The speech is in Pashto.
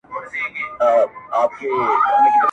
ما خو ګومان کاوه چې ته نیکمرغه یې